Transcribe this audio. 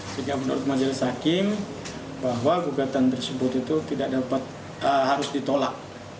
sehingga menurut majelis hakim bahwa gugatan tersebut itu tidak dapat harus ditolak